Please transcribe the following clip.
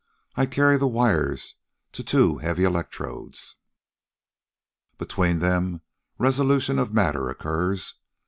I carry the wires to two heavy electrodes. Between them resolution of matter occurs.